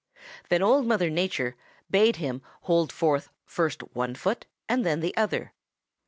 Then Old Mother Nature bade him hold forth first one foot and then the other.